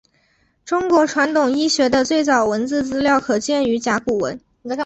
中国传统医学的最早文字资料可见于甲骨文。